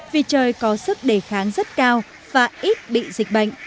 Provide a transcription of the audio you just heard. vì trời có sức đề kháng rất cao và ít bị dịch bệnh